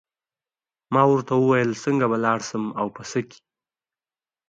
ما ورته وویل څنګه به لاړ شم او په څه کې.